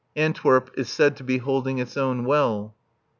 Antwerp is said to be holding its own well.